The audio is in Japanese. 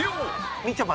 みちょぱ